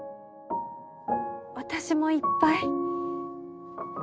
私もいっぱい。